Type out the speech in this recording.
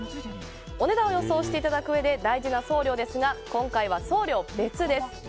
お値段を予想していただくうえで大事な送料ですが今回は送料別です。